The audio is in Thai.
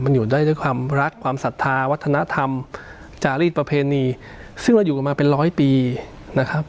มันอยู่ได้ด้วยความรักความศรัทธาวัฒนธรรมจารีสประเพณีซึ่งเราอยู่กันมาเป็นร้อยปีนะครับ